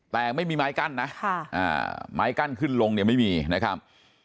แต่ไม่มีไม้กั้นนะไม้กั้นขึ้นลงเนี่ยไม่มีนะครับ